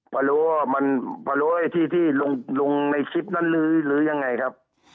พะโล่มันพะโล่ไอ้ที่ลงในคลิปนั้นหรือยังไงครับ